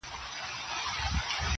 خــو ســــمـدم.